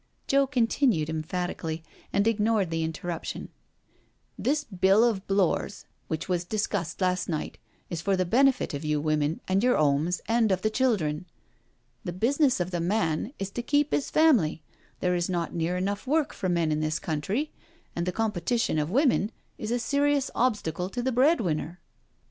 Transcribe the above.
Joe continued emphatically, and ignoring the in terruption, " This Bill of Blore's, which was discussed last night, is for the benefit of you women and your 'omes, and of the children. The business of the man is to keep 'is family — ^there is not near enough work for men in this country, and the competition of women is a serious obstacle to the breadwinner. .